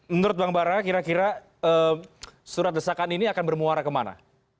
menurut bang bara kira kira surat desakan ini akan bermuara kemana